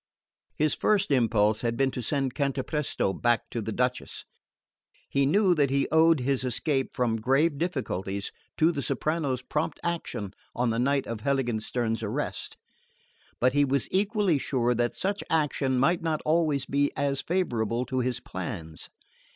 His first impulse had been to send Cantapresto back to the Duchess. He knew that he owed his escape me grave difficulties to the soprano's prompt action on the night of Heiligenstern's arrest; but he was equally sure that such action might not always be as favourable to his plans.